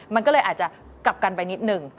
มันก็เลยอาจจะกลับกันไปนิดนึง